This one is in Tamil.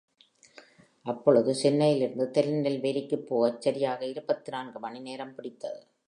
அப்பொழுது சென்னையிலிருந்து திருநெல்வேலிக்குப் போகச் சரியாக இருபத்து நான்கு மணிநேரம் பிடித்தது.